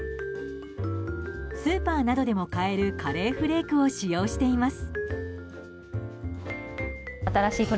スーパーなどでも買えるカレーフレークを使用しています。